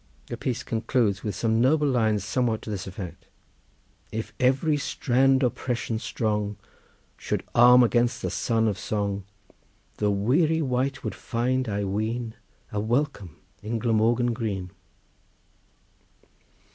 The piece concludes with some noble lines somewhat to this effect:— "If every strand oppression strong Should arm against the son of song, The weary wight would find, I ween, A welcome in Glamorgan green."